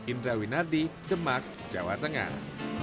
indra winardi demak jawa tengah